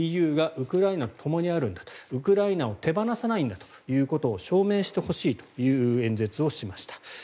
ＥＵがウクライナとともにあるんだとウクライナを手放さないんだということを証明してほしいという演説をしました。